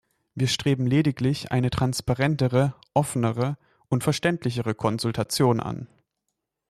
Wir streben lediglich eine transparentere, offenere und verständlichere Konsultation an.